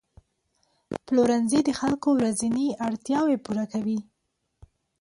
پلورنځي د خلکو ورځني اړتیاوې پوره کوي.